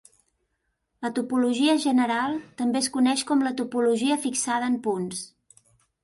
La topologia general també es coneix com la topologia fixada en punts.